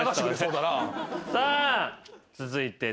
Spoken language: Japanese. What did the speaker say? さあ続いて。